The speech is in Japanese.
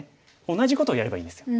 同じことをやればいいんですよ。